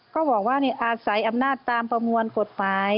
ก็บอกว่าอาศัยอำนาจตามประมวลกฎหมาย